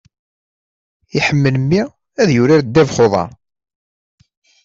Iḥemmel mmi ad yurar ddabex n uḍar.